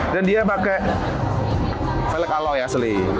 dan dia pakai velg alloy asli